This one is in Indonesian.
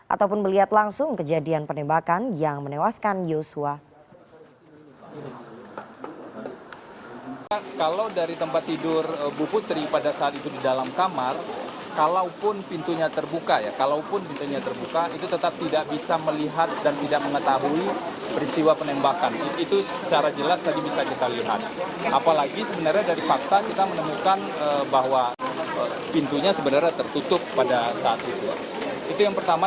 ataupun melihat langsung kejadian penembakan yang menewaskan yosua